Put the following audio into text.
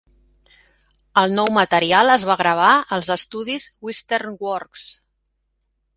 El nou material es va gravar als estudis Western Works.